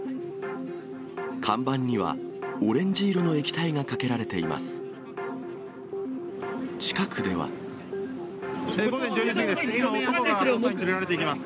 看板には、オレンジ色の液体がかけられています。